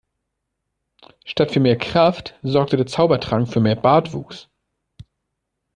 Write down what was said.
Statt für mehr Kraft sorgte der Zaubertrank für mehr Bartwuchs.